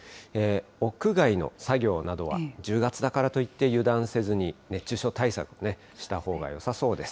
屋外の作業などは１０月だからといって、油断せずに、熱中症対策、したほうがよさそうです。